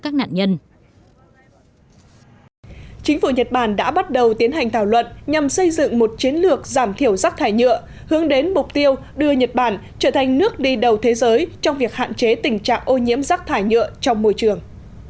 chính phủ nhật bản đã bắt đầu tiến hành thảo luận nhằm xây dựng một chiến lược giảm thiểu rác thải nhựa hướng đến mục tiêu đưa nhật bản trở thành nước đi đầu thế giới trong việc hạn chế tình trạng ô nhiễm rác thải nhựa trong môi trường